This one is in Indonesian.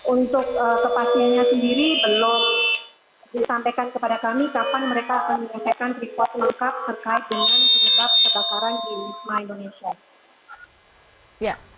untuk kepastiannya sendiri belum disampaikan kepada kami kapan mereka akan menyampaikan report lengkap terkait dengan penyebab kebakaran di wisma indonesia